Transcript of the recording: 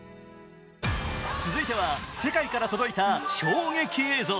続いては世界から届いた衝撃映像。